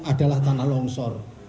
adalah tanah longsor